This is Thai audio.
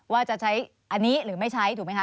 ว่าจะใช้อันนี้หรือไม่ใช้ถูกไหมคะ